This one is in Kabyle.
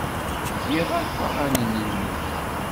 Tgiḍ akk aɣanen-nnek?